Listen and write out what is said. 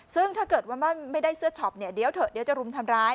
ซึ่งถ้าเกิดว่าไม่ได้เสื้อช็อปเนี่ยเดี๋ยวเถอะเดี๋ยวจะรุมทำร้าย